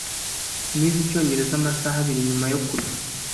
Nize Icyongereza amasaha abiri nyuma yo kurya.